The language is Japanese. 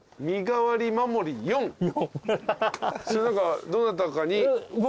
それ何かどなたかに。